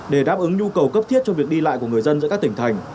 để đáp ứng nhu cầu cấp thiết cho việc đi lại của người dân giữa các tỉnh thành